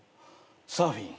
サーフィン。